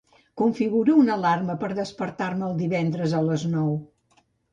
Configura una alarma per despertar-me el divendres a les nou.